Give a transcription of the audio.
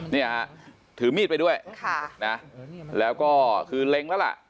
เนี่ยถือมีดไปด้วยแล้วก็คือเล็งแล้วล่ะ